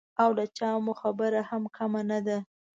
او له چا مو برخه هم کمه نه ده.